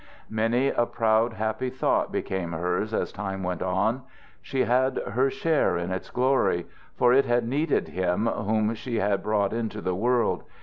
Many a proud happy thought became hers as time went on. She had had her share in its glory, for it had needed him whom she had brought into the world.